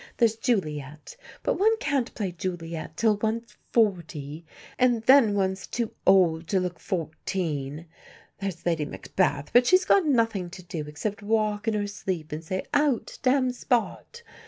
There's Juliet; but one can't play Juliet till one's forty, and then one's too old to look fourteen. There's Lady Macbeth; but she's got nothing to do except walk in her sleep and say, 'Out, damned spot!